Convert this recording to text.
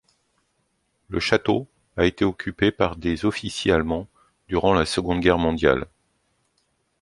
Le château a été occupé par des officiers allemands durant la Seconde Guerre mondiale.